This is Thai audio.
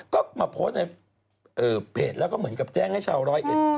ก็มาโพสต์ในเพจแล้วก็เหมือนกับแจ้งให้ชาวร้อยเอ็ด